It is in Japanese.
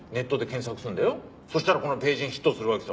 そしたらこのページにヒットするわけさ。